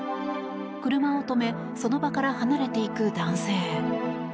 車を止めその場から離れていく男性。